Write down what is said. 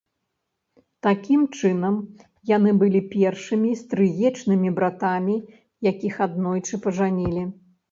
Такім чынам, яны былі першымі стрыечнымі братамі, якіх аднойчы пажанілі.